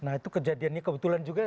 nah itu kejadiannya kebetulan juga